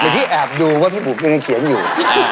เป็นที่แอบดูว่าพี่บุ๋มยังได้เขียนอยู่